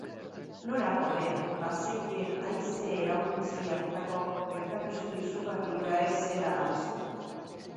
Norak, ordea, bazekien haize-erauntsi hartako gertakizun izugarri hura ez zela amestua.